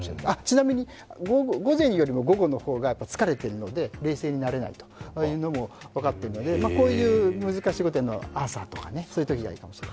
ちなみに午前より午後の方が疲れているので冷静になれないというのも分かっているので、こういう難しいことをやるのは朝とかそういうときがいい。